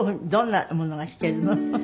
どんなものが弾けるの？